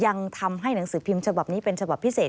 ยังทำให้หนังสือพิมพ์ฉบับนี้เป็นฉบับพิเศษ